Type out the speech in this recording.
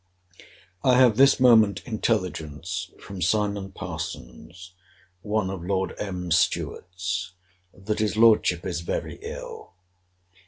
I have this moment intelligence from Simon Parsons, one of Lord M.'s stewards, that his Lordship is very ill.